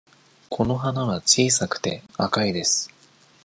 この花は小さくて赤いです。